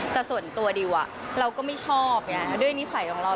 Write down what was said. แต่ส่วนตัวดิวเราก็ไม่ชอบไงด้วยนิสัยของเรา